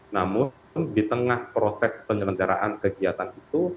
namun di tengah proses penyelenggaraan kegiatan itu